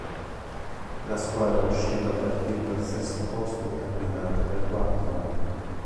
La squadra oscillò dal quinto al sesto posto in campionato per quattro anni.